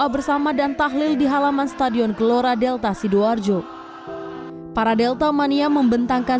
bersama dan tahlil di halaman stadion gelora delta sidoarjo para delta mania membentangkan